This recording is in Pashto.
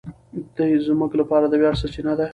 دی زموږ لپاره د ویاړ سرچینه ده.